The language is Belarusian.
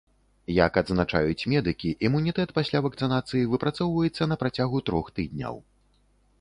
Як адзначаюць медыкі, імунітэт пасля вакцынацыі выпрацоўваецца на працягу трох тыдняў.